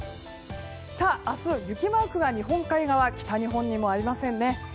明日、雪マークが日本海側北日本にもありませんね。